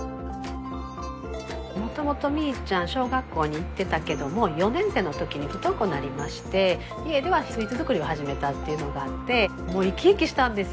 もともとみいちゃん小学校に行ってたけど４年生のときに不登校になりまして家ではスイーツ作りを始めたっていうのがあってもう生き生きしたんですよ